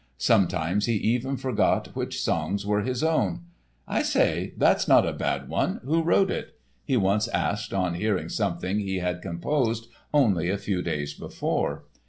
Sometimes he even forgot which songs were his own. "I say, that's not a bad one; who wrote it?" he once asked on hearing something he had composed only a few days before.